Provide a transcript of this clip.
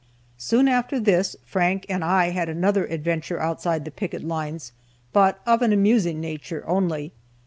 Soon after this Frank and I had another adventure outside the picket lines, but of an amusing nature only.